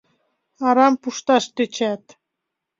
Арамак пушташ тӧчат.